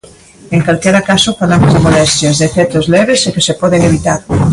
En calquera caso falamos de molestias, de efectos leves, e que se poden evitar.